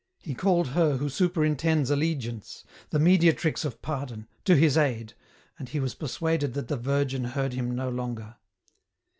He called her who superintends allegiance, the Mediatrix of pardon, to his aid, and he was persuaded that the Virgin heard him no longer.